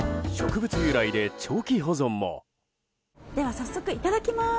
早速、いただきます。